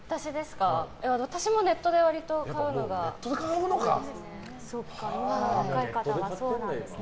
私もネットで買うのが多いですね。